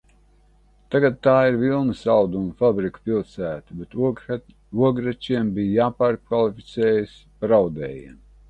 Tagad tā ir vilnas audumu fabriku pilsēta, bet ogļračiem bija jāpārkvalificējas par audējiem.